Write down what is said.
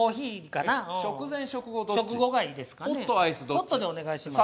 ホットでお願いします。